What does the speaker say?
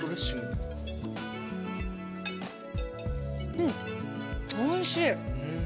うんおいしい。